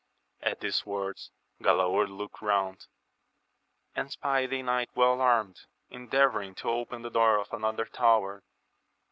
At these words Galaor looked round, and espied a knight • well armed, endeavouring to open the door of another tower.